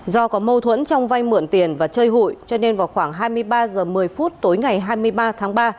do có mâu thuẫn trong vay mượn tiền và chơi hụi cho nên vào khoảng hai mươi ba h một mươi phút tối ngày hai mươi ba tháng ba